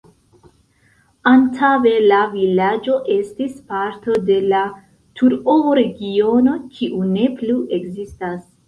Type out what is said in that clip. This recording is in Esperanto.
Antaŭe la vilaĝo estis parto de la Turovo-regiono, kiu ne plu ekzistas.